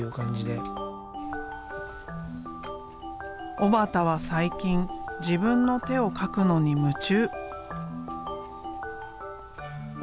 小幡は最近自分の手を描くのに夢中。